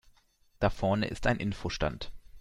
Da vorne ist ein Info-Stand.